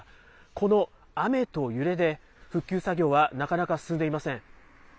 この雨と揺れで、復旧作業はなかなか進んでいません。